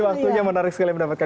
waktunya menarik sekali mendapatkan